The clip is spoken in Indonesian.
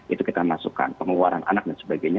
itu kita masukkan pengeluaran anak dan sebagainya